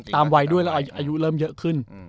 วัยด้วยแล้วอายุเริ่มเยอะขึ้น